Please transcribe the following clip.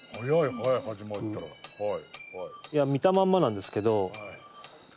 いや見たまんまなんですけど。